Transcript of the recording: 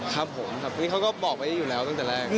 ครับผมครับนี่เขาก็บอกไว้อยู่แล้วตั้งแต่แรก